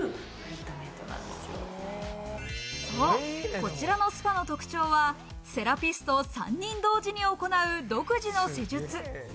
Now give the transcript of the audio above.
こちらのスパの特徴は、セラピスト３人同時に行う独自の施術。